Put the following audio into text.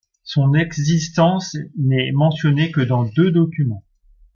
Son existence n’est mentionnée que dans deux documents.